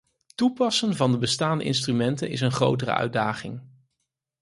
Toepassen van de bestaande instrumenten is een grotere uitdaging.